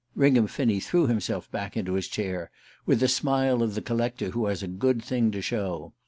Ringham Finney threw himself back into his chair with the smile of the collector who has a good thing to show.